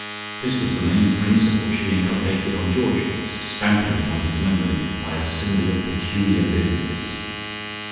This was the main principle she inculcated on Georgie, stamping it on his memory by a simile of peculiar vividness.